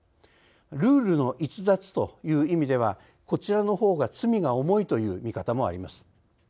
ルールの逸脱という意味ではこちらの方が罪が重いという見方もあります。